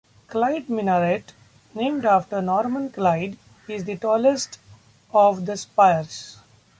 Clyde Minaret, named after Norman Clyde, is the tallest of the spires.